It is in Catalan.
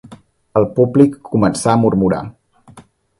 El públic començà a murmurar.